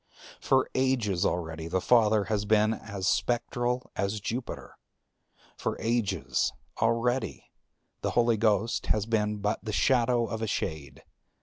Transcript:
For ages already the Father has been as spectral as Jupiter; for ages already the Holy Ghost has been but the shadow of a shade.